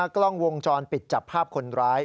กล้องวงจรปิดจับภาพคนร้าย